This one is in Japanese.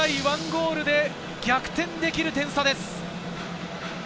１ゴールで逆転できる点差です。